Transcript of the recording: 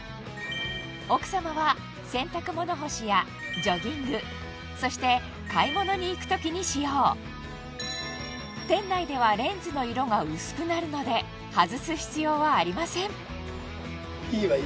奥さまは洗濯物干しやジョギングそして買い物に行く時に使用店内ではレンズの色が薄くなるので外す必要はありません